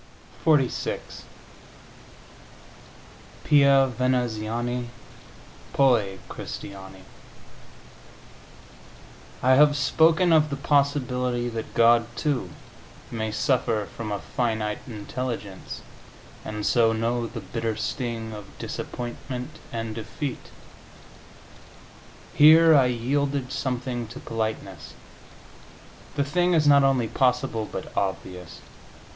XLVI PIA VENEZIANI, POI CRISTIANI I have spoken of the possibility that God, too, may suffer from a finite intelligence, and so know the bitter sting of disappointment and defeat. Here I yielded something to politeness; the thing is not only possible, but obvious.